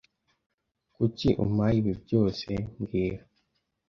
Kuki umpaye ibi byose mbwira